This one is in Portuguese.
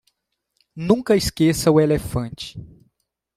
Nunca esqueça o elefante.